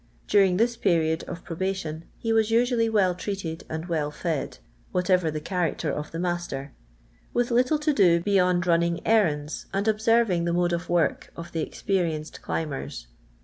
During this period of probation he was usually well treated and well fed (whatever the character of the master), with little to do beyond running LONDON LABOUR AND THE LONDON POOR. 349 errands, and obserying the mode of work of the experienced climbers.